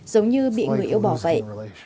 giống như bị người yêu bỏ vậy